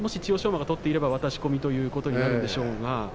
馬が取っていれば渡し込みということになるでしょうか。